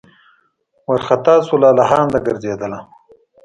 وارخطا سوه لالهانده ګرځېدله